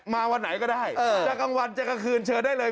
วันไหนก็ได้จะกลางวันจะกลางคืนเชิญได้เลย